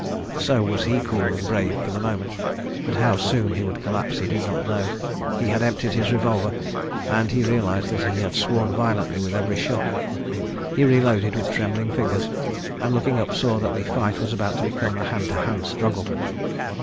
So was he cool and brave, for the moment—but how soon he would collapse, he did not know. He had emptied his revolver, and he realised that he had sworn violently with every shot. ... He reloaded with trembling fingers, and, looking up, saw that the fight was about to become a hand to hand struggle.